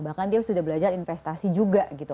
bahkan dia sudah belajar investasi juga gitu